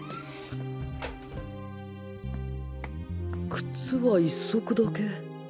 靴は１足だけ。